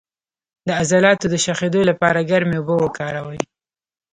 د عضلاتو د شخیدو لپاره ګرمې اوبه وکاروئ